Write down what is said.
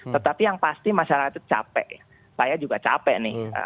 tetapi yang pasti masyarakat itu capek saya juga capek nih